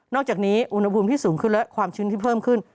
อกจากนี้อุณหภูมิที่สูงขึ้นและความชื้นที่เพิ่มขึ้น